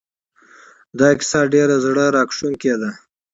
دا کیسه ډېره زړه راښکونکې ده